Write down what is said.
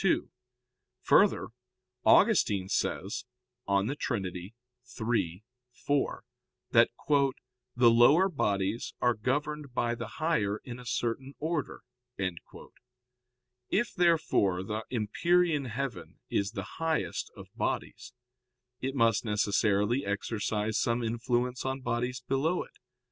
2: Further, Augustine says (De Trin. iii, 4) that "the lower bodies are governed by the higher in a certain order." If, therefore, the empyrean heaven is the highest of bodies, it must necessarily exercise some influence on bodies below it.